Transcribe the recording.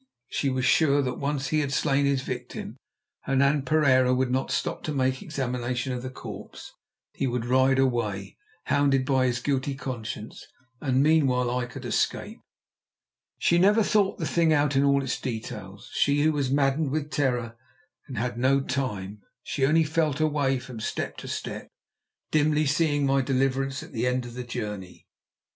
_ She was sure that once he had slain his victim, Hernan Pereira would not stop to make examination of the corpse. He would ride away, hounded by his guilty conscience, and meanwhile I could escape. She never thought the thing out in all its details, she who was maddened with terror and had no time. She only felt her way from step to step, dimly seeing my deliverance at the end of the journey.